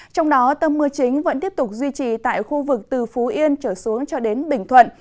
trong đó tâm mưa chính vẫn tiếp tục duy trì tại khu vực từ phú yên trở xuống cho đến bình thuận